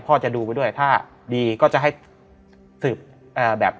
พ่อจะดูไว้ด้วยถ้าดีก็จะให้สืบแบบ